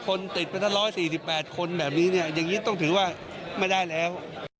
๒๔๐คนติดไปซะ๑๔๘คนแบบนี้อย่างนี้ต้องถือว่าไม่ได้แล้ว